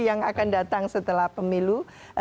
yang akan datang setelah pemilu dua ribu sembilan belas